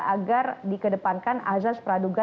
agar dikedepankan azas praduga